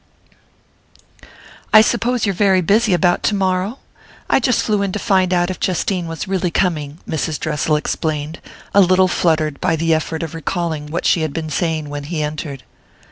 I suppose you're very busy about tomorrow? I just flew in to find out if Justine was really coming," Mrs. Dressel explained, a little fluttered by the effort of recalling what she had been saying when he entered.